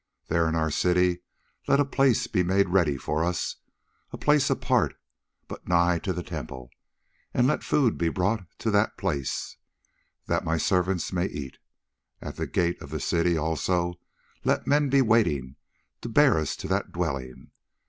There, in our city, let a place be made ready for us, a place apart, but nigh to the temple; and let food be brought to the place, that my servants may eat. At the gates of the city also let men be waiting to bear us to that dwelling.